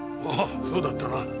ああそうだったな。